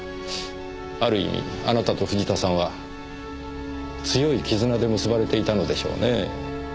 ある意味あなたと藤田さんは強い絆で結ばれていたのでしょうねぇ。